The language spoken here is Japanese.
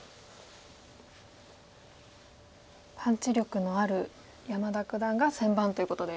パンチ力のある山田九段が先番ということで。